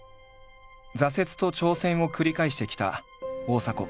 挫折と挑戦を繰り返してきた大迫。